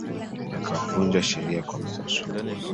akavunja sheria kwa makusudi